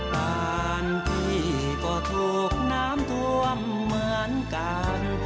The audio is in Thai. บ้านพี่ก็ถูกน้ำท่วมเหมือนกัน